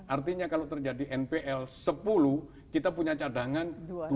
artinya kalau terjadi npl sepuluh kita punya cadangan dua puluh tujuh